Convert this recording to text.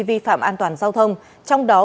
vi phạm an toàn giao thông trong đó